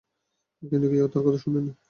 কিন্তু কেউ তাঁর কথা শোনেনি।